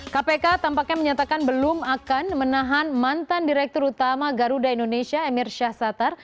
kpk tampaknya menyatakan belum akan menahan mantan direktur utama garuda indonesia emir syahsatar